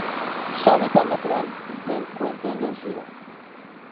Su hábitat natural se encuentra en los ríos.